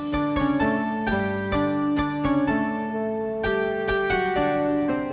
assalamualaikum pak ustadz